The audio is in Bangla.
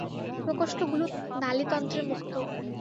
প্রকোষ্ঠগুলো নালীতন্ত্রে মুক্ত।